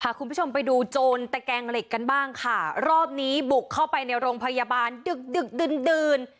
คุณผู้ชมไปดูโจรตะแกงเหล็กกันบ้างค่ะรอบนี้บุกเข้าไปในโรงพยาบาลดึกดึกดื่นดื่น